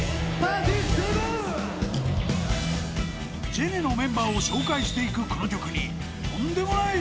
［ジェネのメンバーを紹介していくこの曲にとんでもない仕掛けが！］